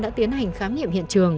đã tiến hành khám nghiệm hiện trường